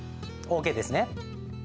ＯＫですね？